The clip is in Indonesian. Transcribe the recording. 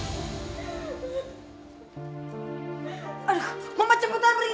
aduh mama cepetan pergi